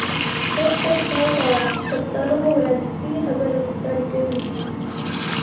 شف شف مه کوه شفتالو ووایه د سپینې خبرې غوښتنه کوي